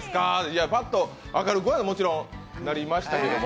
いや、パッと明るくはもちろんなりましたけど。